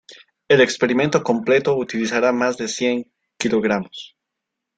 El experimento completo utilizará más de cien kg.